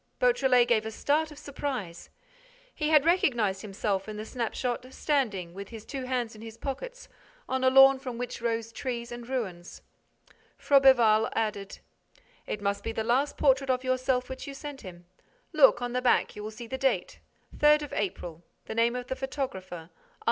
Beautrelet gave a start of surprise. He had recognized himself in the snapshot, standing, with his two hands in his pockets, on a lawn from which rose trees and ruins. Froberval added: "It must be the last portrait of yourself which you sent him. Look, on the back, you will see the date, 3 April, the name of the photographer, R.